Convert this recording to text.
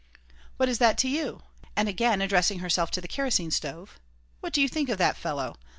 "What is that to you?" And again addressing herself to the kerosene stove: "What do you think of that fellow?